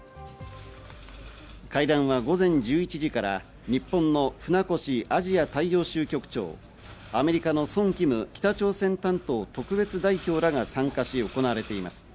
会談は午前１１時から日本の船越アジア大洋州局長、アメリカのソン・キム北朝鮮担当特別代表らが参加し、行われています。